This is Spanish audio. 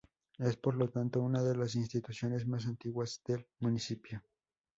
Es, por lo tanto, una de las instituciones más antiguas del municipio.